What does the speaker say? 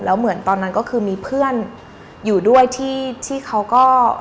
แล้วเหมือนตอนนั้นก็คือมีเพื่อนอยู่ด้วยที่ที่เขาก็